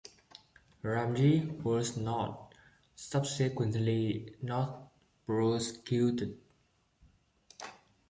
Ramzi was not subsequently not prosecuted.